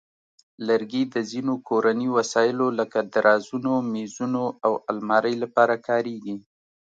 لرګي د ځینو کورني وسایلو لکه درازونو، مېزونو، او المارۍ لپاره کارېږي.